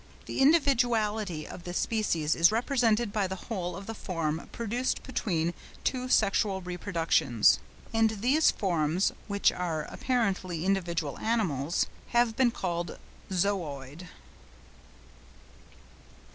The individuality of the species is represented by the whole of the form produced between two sexual reproductions; and these forms, which are apparently individual animals, have been called zooids.